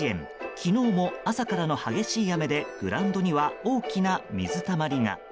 昨日も朝からの激しい雨でグラウンドには大きな水たまりが。